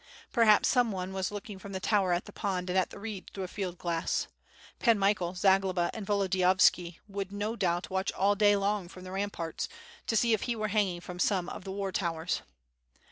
Per haps some one was looking from the tower at the pond and at the reeds through a field glass. Pan Michael, Zagloba, and Vododiyovski would no doubt watch all day long from the ramparts to see if he were hanging from some of the war towers.